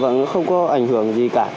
dạ vâng nó không có ảnh hưởng gì cả